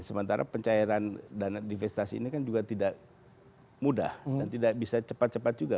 sementara pencairan dana divestasi ini kan juga tidak mudah dan tidak bisa cepat cepat juga